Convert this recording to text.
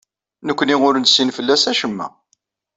Nekni ur nessin fell-as acemma.